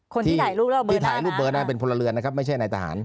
คนที่ถ่ายรูปแล้วเบอร์คือถ่ายรูปเบอร์หน้าเป็นพลเรือนนะครับไม่ใช่นายทหาร